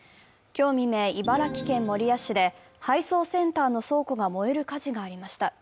今日未明、茨城県守谷市で配送センターの倉庫が燃える火事がありました。